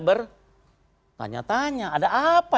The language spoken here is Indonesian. bertanya tanya ada apa